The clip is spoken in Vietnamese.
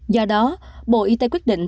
do đó bộ y tế quyết định